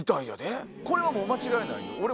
これは間違いないよ！